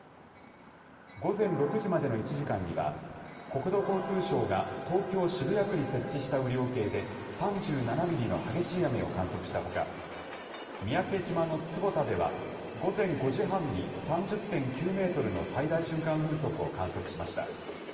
午前６時までの１時間には、国土交通省が東京・渋谷区に設置した雨量計で、３２ミリの激しい雨を観測したほか、三宅島の坪田では、午前５時半に３０．９メートルの最大瞬間風速を観測しました。